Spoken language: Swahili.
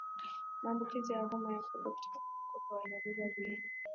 maambukizi ya homa ya kupe kutokana na kupe waliobeba viini